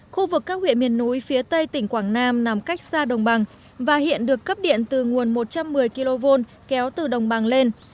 khu vực các huyện miền núi phía tây tỉnh quảng nam nằm cách xa đồng bằng và hiện được cấp điện từ nguồn một trăm một mươi kv kéo từ đồng bằng lên